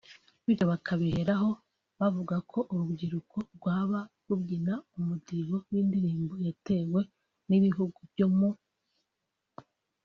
Bityo bakabiheraho bavuga ko uru rukiko rwaba rubyina umudiho w’indirimbo yatewe n’ibihugu byo mu